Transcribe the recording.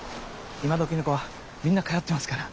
今どきの子はみんな通ってますから。